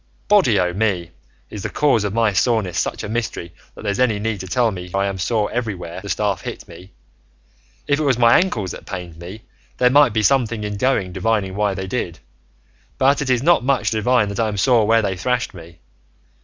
Body o' me! is the cause of my soreness such a mystery that there's any need to tell me I am sore everywhere the staff hit me? If it was my ankles that pained me there might be something in going divining why they did, but it is not much to divine that I'm sore where they thrashed me.